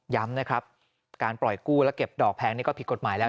ย้ำนะครับการปล่อยกู้และเก็บดอกแพงนี่ก็ผิดกฎหมายแล้ว